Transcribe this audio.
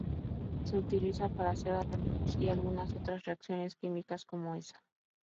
Se utiliza para hacer aductos y algunas otras reacciones químicas como esa.